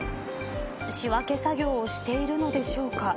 仕分け作業をしているのでしょうか。